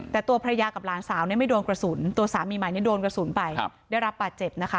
แต่ตัวภรรยากับหลานสาวไม่โดนกระสุนสามีใหม่โดนกระสุนไปได้รับปัดเจ็บ